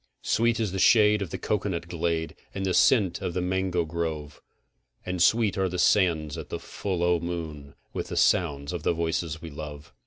Sweet is the shade of the cocoanut glade, and the scent of the mango grove, And sweet are the sands at the full o' the moon with the sound of the voices we love.